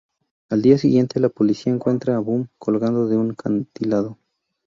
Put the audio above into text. Al día siguiente, la policía encuentra a Boom colgando de un acantilado.